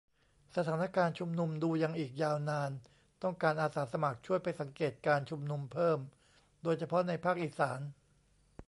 สถานการณ์ชุมนุม ดูยังอีกยาวนาน ต้องการอาสาสมัครช่วยไปสังเกตการณ์ชุมนุมเพิ่ม โดยเฉพาะในภาคอีสาน